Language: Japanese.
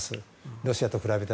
ロシアと比べたら。